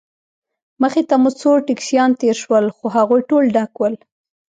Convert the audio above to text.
مخې ته مو څو ټکسیان تېر شول، خو هغوی ټول ډک ول.